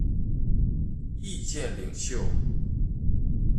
意见领袖。